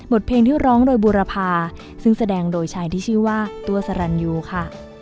เพลงที่ร้องโดยบูรพาซึ่งแสดงโดยชายที่ชื่อว่าตัวสรรยูค่ะ